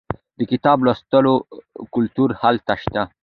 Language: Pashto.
د کتاب لوستلو کلتور هلته شته.